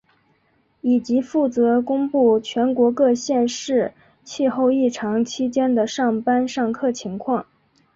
以及负责公布全国各县市气候异常期间的上班上课情况。